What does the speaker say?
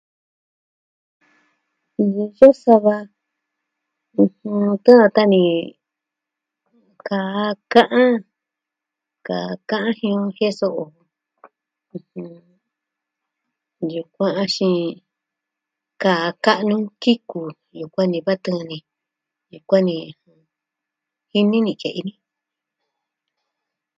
Jiantiñu jiee sa va, ɨjɨn, ke'en a kani kaa ka'an, kaa ka'an jin o jiee so'o yukuan xii kaa ka'nu kiku yukuan ni va tɨɨn ni yukuan ni jini ni ki ni.